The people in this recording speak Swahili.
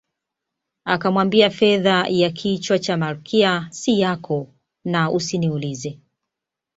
Akamwambia fedha ya kichwa cha Malkia si yako na usiniulize